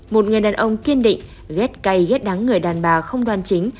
một người đàn ông kiên định ghét cay ghét đắng người đàn bà không đoan chính